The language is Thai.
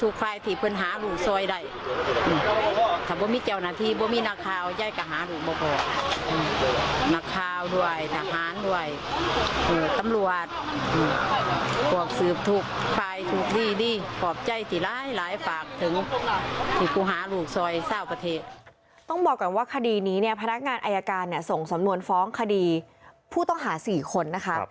ต้องบอกก่อนว่าคดีนี้เนี่ยพนักงานอายการส่งสำนวนฟ้องคดีผู้ต้องหา๔คนนะคะ